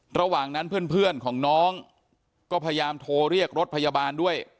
ระหว่างนั้นเพื่อนของน้องก็พยายามโทรเรียกรถพยาบาลด้วย